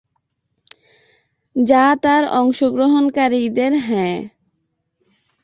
যা তার অংশগ্রহণকারীদের "হ্যাঁ!"